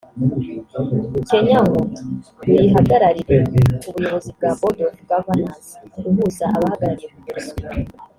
Kenya ngo ruyihagararire ku buyobozi bwa Board of Governors (ihuza abahagarariye guverinoma